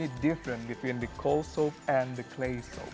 saya dengar bahwa anda juga membuat sabun kain di rumah anda bukan